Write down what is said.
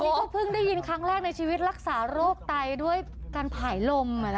ก็เพิ่งได้ยินครั้งแรกในชีวิตรักษาโรคไตด้วยการผ่ายลม